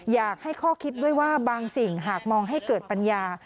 อยากให้ข้อคิดด้วยว่าบางสิ่งหากมองให้เกิดปัญญา